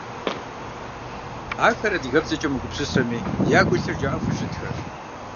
Ахэр адыгэбзэкӏэ мыгупсысэми, ягу илъыр жаӏэфу щытхэщ.